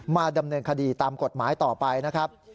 มาดำเนินคดีตามกฎหมายต่อไปนะครับ